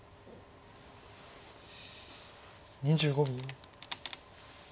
２５秒。